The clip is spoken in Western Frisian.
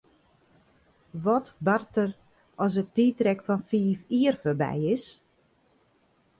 Wat bart der as it tiidrek fan fiif jier foarby is?